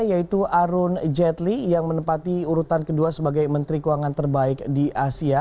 yaitu arun jetly yang menempati urutan kedua sebagai menteri keuangan terbaik di asia